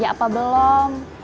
dia apa belum